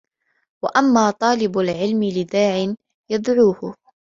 وَأَمَّا طَالِبُ الْعِلْمِ لِدَاعٍ يَدْعُوهُ